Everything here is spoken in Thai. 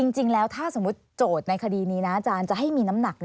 จริงแล้วถ้าสมมุติโจทย์ในคดีนี้นะอาจารย์จะให้มีน้ำหนัก